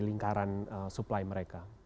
lingkaran supply mereka